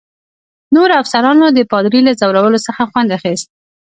نورو افسرانو د پادري له ځورولو څخه خوند اخیست.